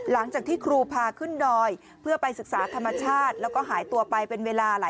แล้วน้องป่วยเป็นเด็กออทิสติกของโรงเรียนศูนย์การเรียนรู้พอดีจังหวัดเชียงใหม่นะคะ